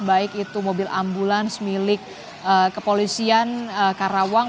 baik itu mobil ambulans milik kepolisian karawang